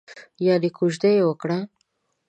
یانې کوژده یې وکړه؟